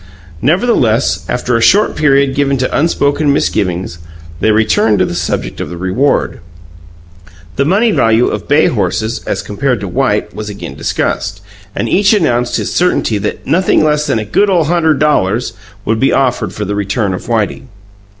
Nevertheless, after a short period given to unspoken misgivings, they returned to the subject of the reward. The money value of bay horses, as compared to white, was again discussed, and each announced his certainty that nothing less than "a good ole hunderd dollars" would be offered for the return of Whitey.